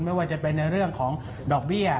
ไม่ว่าจะเป็นในเรื่องของดอกเบี้ย